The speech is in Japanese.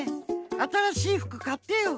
あたらしい服かってよ。